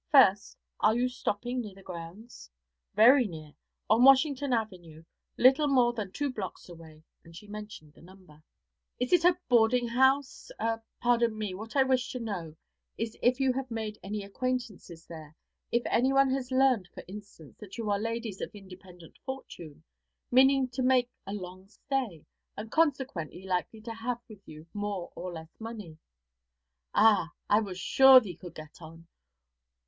First, are you stopping near the grounds?' 'Very near; on Washington Avenue, little more than two blocks away;' and she mentioned the number. 'Is it a boarding house, a pardon me, what I wish to know is if you have made any acquaintances there; if anyone has learned, for instance, that you are ladies of independent fortune, meaning to make a long stay, and consequently likely to have with you more or less money.' 'Ah! I was sure thee could get on.